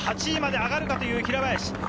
８位まで上がるかという平林。